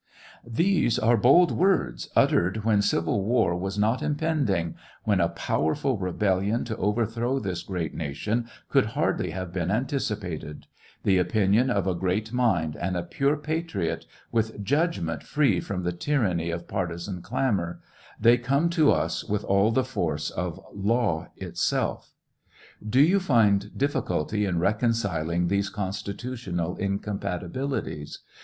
These are bold words, uttered when civil war was not impending, when a powerful rebellion to overthrow this great nation could hardly have been antici pated ; the opinion of a great mind and a pure patriot, with judgment free from the tyranny of partisan clamor, they come to us with all the force of law itself. Do you find difficulty in reconciling these constitutional incompatibilities